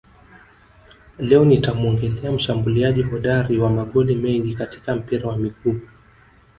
Leo nitamuongelea mshambuliaji hodari wa magoli mengi katika mpira wa miguu